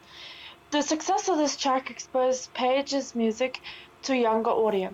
The success of this track exposed Page's music to a younger audience.